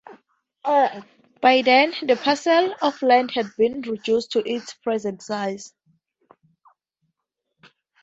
By then the parcel of land had been reduced to its present size.